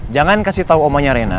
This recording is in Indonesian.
jangan kasih tau omanya rena